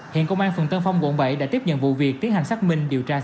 hiện công an phường tân phong quận bảy đã tiếp nhận vụ việc tiến hành xác minh điều tra